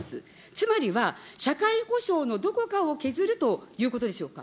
つまりは社会保障のどこかを削るということでしょうか。